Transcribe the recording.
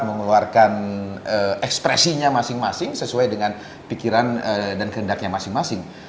mengeluarkan ekspresinya masing masing sesuai dengan pikiran dan kehendaknya masing masing